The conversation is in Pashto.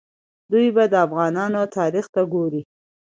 دوی به د افغانانو تاریخ ته ګوري.